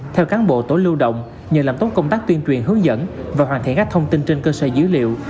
theo cán bộ tối lưu động nhờ làm tốt công tác tuyên truyền hướng dẫn và hoàn thiện các thông tin trên cơ sở dữ liệu